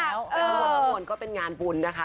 แต่ทั้งหมดทั้งมวลก็เป็นงานบุญนะคะ